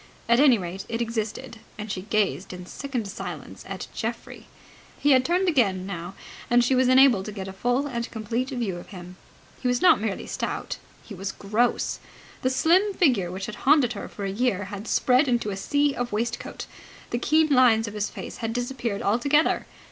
At any rate, it existed, and she gazed in sickened silence at Geoffrey. He had turned again now, and she was enabled to get a full and complete view of him. He was not merely stout. He was gross. The slim figure which had haunted her for a year had spread into a sea of waistcoat. The keen lines of his face had disappeared altogether.